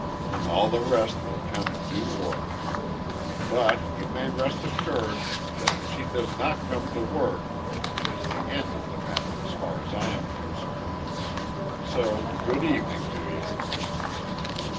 All the rest will come in due order. But you may rest assured, that, if she does not come to work, it is the end of the matter as far as I am concerned. So good evening to you."